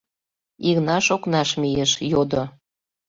Игнаш окнаш мийыш, йодо: